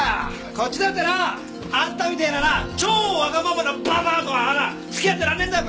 こっちだってなあんたみてえな超わがままなババアとは付き合ってらんねえんだよ